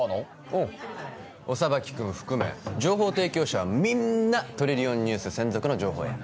おおオサバキ君含め情報提供者はみんな「トリリオンニュース」専属の情報屋